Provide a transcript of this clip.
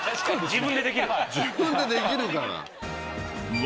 自分でできるから。